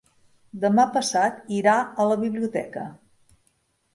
Demà passat irà a la biblioteca.